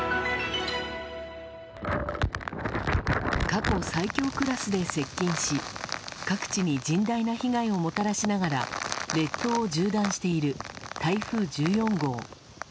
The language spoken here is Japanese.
過去最強クラスで接近し各地に甚大な被害をもたらしながら列島を縦断している台風１４号。